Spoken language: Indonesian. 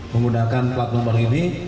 menggunakan plat nomor ini